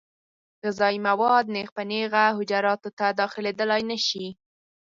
غذایي مواد نېغ په نېغه حجراتو ته داخلېدای نشي.